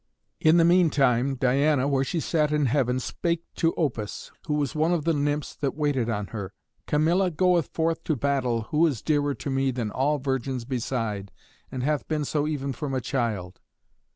In the mean time Diana, where she sat in heaven, spake to Opis, who was one of the nymphs that waited on her: "Camilla goeth forth to battle, who is dearer to me than all virgins beside, and hath been so even from a child.